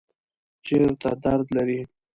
چیرته درد لرئ؟